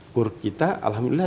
kur kita alhamdulillah